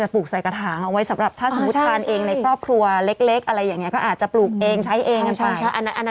อาราคาผักชีทำแกงจืนใช่มั้ย